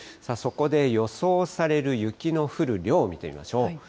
そこで予想される雪の降る量を見てみましょう。